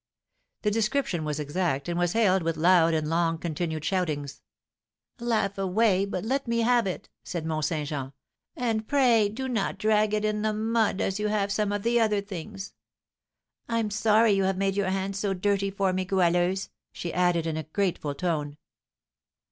The description was exact, and was hailed with loud and long continued shoutings. "Laugh away, but let me have it," said Mont Saint Jean; "and pray do not drag it in the mud as you have some of the other things. I'm sorry you've made your hands so dirty for me, Goualeuse," she added, in a grateful tone.